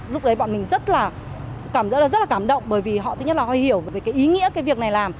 lúc đấy bọn mình rất là cảm giác là rất là cảm động bởi vì họ thứ nhất là họ hiểu về cái ý nghĩa cái việc này làm